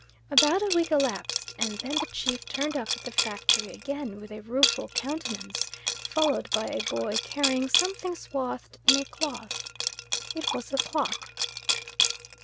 About a week elapsed, and then the chief turned up at the factory again with a rueful countenance, followed by a boy carrying something swathed in a cloth. It was the clock.